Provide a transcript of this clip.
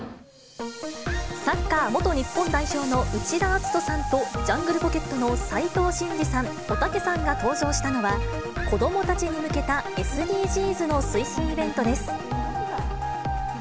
サッカー元日本代表の内田篤人さんと、ジャングルポケットの斉藤慎二さん、おたけさんが登場したのは、子どもたちに向けたＳＤＧｓの推進イベントです。